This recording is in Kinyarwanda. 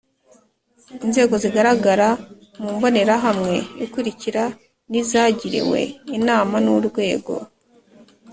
Inzego zigaragara mu mbonerahamwe ikurikira ni izagiriwe inama n Urwego